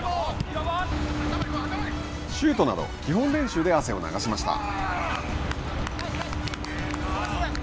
シュートなど、基本練習で汗を流しました。